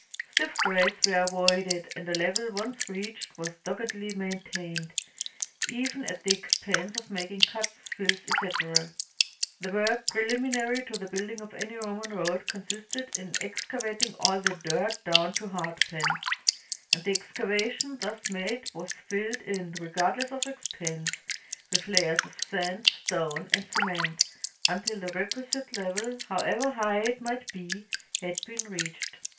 Stiff grades were avoided, and a level, once reached, was doggedly maintained, even at the expense of making cuts, fills, etc. The work preliminary to the building of any Ro man road consisted in excavating all the dirt down to hardpan, and the excavation thus made was filled in, regardless of expense, with layers of sand, stone, and cement, until the requisite level, however high it might be, had been reached.